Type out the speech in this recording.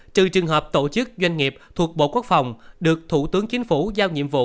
trừ trường hợp tổ chức doanh nghiệp thuộc bộ quốc phòng được thủ tướng chính phủ giao nhiệm vụ